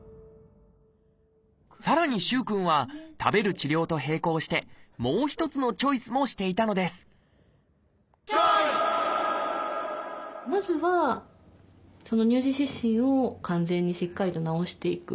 さらに萩くんは食べる治療と並行してもう一つのチョイスもしていたのですまずは乳児湿疹を完全にしっかりと治していく。